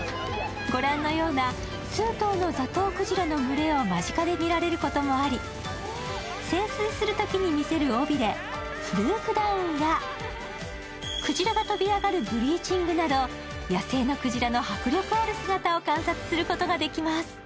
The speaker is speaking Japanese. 御覧のような数頭のザトウクジラの群れを間近で見られることもあり、潜水するときに見せるおびでフルークダウンやくじらが飛び上がるブリーチングなど野生の迫力あるくじらの姿を観察することができます。